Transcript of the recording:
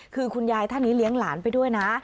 คือคุณยายท่านนี้เลี้ยงหลานไปด้วยนะ